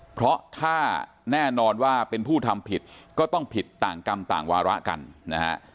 เพราะถ้าแน่นอนว่าเป็นผู้ทำผิดก็ต้องผิดต่างกรรมต่างวาระกันนะฮะ